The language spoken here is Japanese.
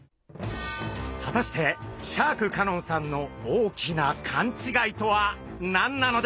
果たしてシャーク香音さんの大きなカン違いとは何なのでしょうか？